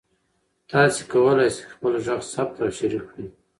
تاسي کولای شئ خپل غږ ثبت او شریک کړئ.